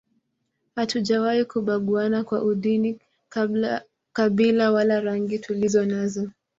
Hatujawahi kubaguana kwa udini kabila wala rangi tulizonazo